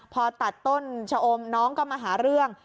พอตัดต้นชะอมน้องก็มาหาเรื่อง